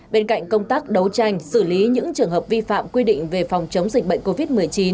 bên cạnh công tác đấu tranh xử lý những trường hợp vi phạm quy định về phòng chống dịch bệnh covid một mươi chín